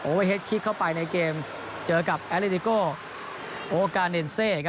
เฮ็ดคิกเข้าไปในเกมเจอกับแอเลดิโกโอกาเนนเซ